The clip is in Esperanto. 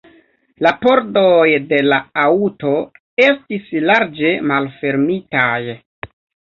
La pordoj de la aŭto estis larĝe malfermitaj.